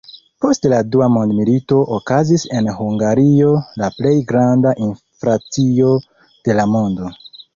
Post la Dua Mondmilito okazis en Hungario la plej granda inflacio de la mondo.